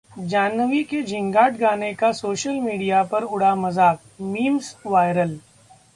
जाह्नवी के 'झिंगाट' गाने का सोशल मीडिया पर उड़ा मजाक, memes वायरल